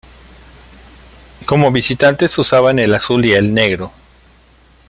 Como visitantes usaban el azul y el negro.